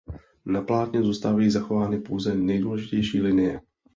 Na plátně zůstávají zachovány pouze nejdůležitější linie.